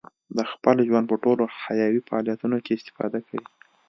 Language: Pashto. د خپل ژوند په ټولو حیوي فعالیتونو کې استفاده کوي.